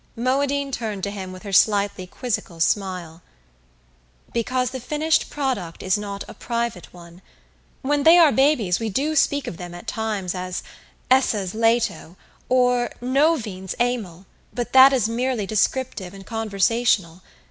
Moadine turned to him with her slightly quizzical smile. "Because the finished product is not a private one. When they are babies, we do speak of them, at times, as 'Essa's Lato,' or 'Novine's Amel'; but that is merely descriptive and conversational.